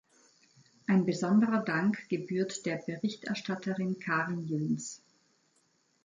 Ein besonderer Dank gebührt der Berichterstatterin Karin Jöns.